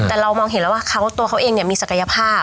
แต่เรามองเห็นแล้วว่าตัวเขาเองมีศักยภาพ